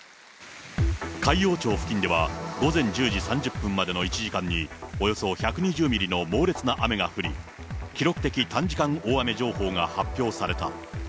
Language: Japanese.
海陽町付近では、午前１０時３０分までの１時間に、およそ１２０ミリの猛烈な雨が降り、記録的短時間大雨情報が発表された。